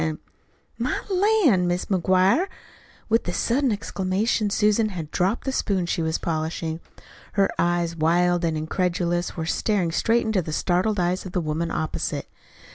An' " "My lan', Mis' McGuire!" With the sudden exclamation Susan had dropped the spoon she was polishing. Her eyes, wild and incredulous, were staring straight into the startled eyes of the woman opposite.